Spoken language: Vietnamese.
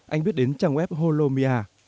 anh biết đến trang web holomia